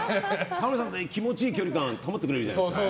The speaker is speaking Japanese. タモさんと気持ちいい距離感保ってくれるじゃないですか。